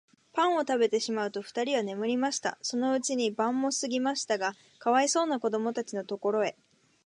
パンをたべてしまうと、ふたりは眠りました。そのうちに晩もすぎましたが、かわいそうなこどもたちのところへ、